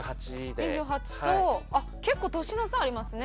２８と結構年の差ありますね。